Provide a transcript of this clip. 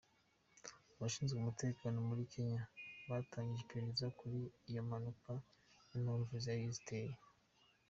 Abashinzwe umutekano muri Kenya batangije iperereza kuri iyo mpanuka n’impamvu zayiteye.